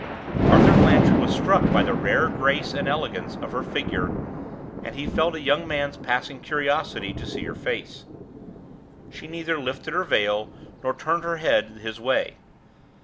Arthur Blanchard was struck by the rare grace and elegance of her figure, and he felt a young man's passing curiosity to see her face. She neither lifted her veil nor turned her head his way.